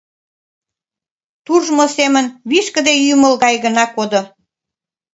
Туржмо семын вишкыде ӱмыл гай гына кодо.